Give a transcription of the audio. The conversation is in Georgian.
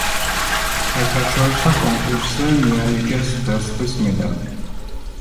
საერთაშორისო კონკურსზე მიანიჭეს ვერცხლის მედალი.